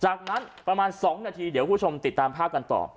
จากนั้นประมาณ๒นาทีเดี๋ยวคุณผู้ชมติดตามภาพกันต่อ